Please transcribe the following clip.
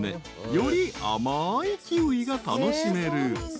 ［より甘いキウイが楽しめる］